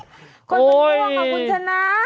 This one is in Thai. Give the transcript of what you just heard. คนเป็นห่วงค่ะคุณชนะ